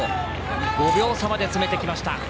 ５秒差まで詰めてきた。